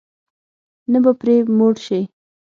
نه به پرې موړ شې.